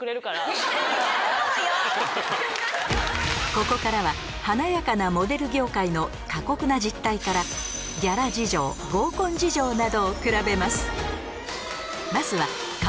ここからは華やかなモデル業界の過酷な実態からギャラ事情合コン事情などをくらべます